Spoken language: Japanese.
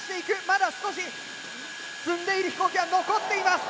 まだ少し積んでいる飛行機は残っています。